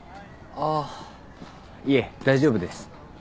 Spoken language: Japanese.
あっいえ大丈夫です。